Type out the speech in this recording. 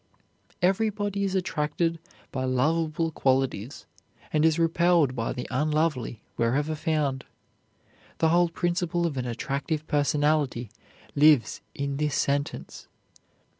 Everybody is attracted by lovable qualities and is repelled by the unlovely wherever found. The whole principle of an attractive personality lives in this sentence.